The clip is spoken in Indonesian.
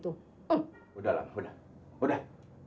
udah lah udah udah